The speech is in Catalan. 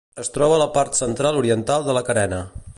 Es troba a la part central-oriental de la carena.